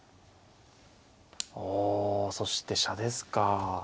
おそして飛車ですか。